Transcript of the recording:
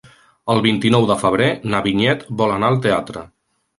El vint-i-nou de febrer na Vinyet vol anar al teatre.